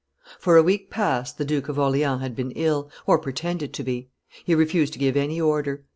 For a week past the Duke of Orleans had been ill, or pretended to be; he refused to give any order.